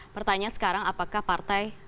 pertanyaan sekarang apakah partai